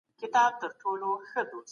زکات د غريبو خلګو مالي ملاتړ دی.